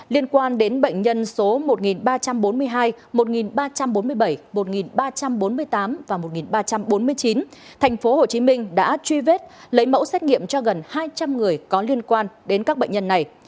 liên quan đến bệnh nhân số một ba trăm bốn mươi hai một ba trăm bốn mươi bảy một ba trăm bốn mươi tám và một ba trăm bốn mươi chín tp hcm đã truy vết lấy mẫu xét nghiệm cho gần hai trăm linh người có liên quan đến các bệnh nhân này